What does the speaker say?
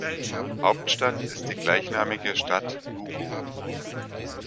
Hauptstadt ist die gleichnamige Stadt Lugo.